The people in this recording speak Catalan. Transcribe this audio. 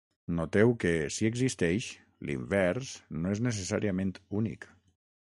Noteu que, si existeix, l'invers no és necessàriament únic.